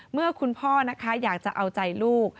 เมื่อคุณพ่อนะคะอยากจะเอาใจลูก